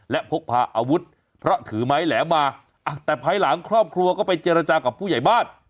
และพกพาอาวุธเพราะถือไม้แหลมมาแต่ภายหลังครอบครัวก็ไปเจรจากับผู้ใหญ่บ้าน